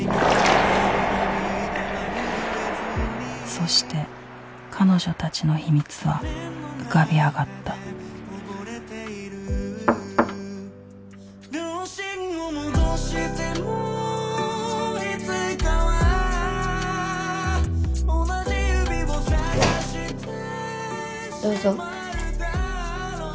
そして彼女たちの秘密は浮かび上がったどうぞ。